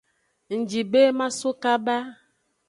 Ngji be maso kaba.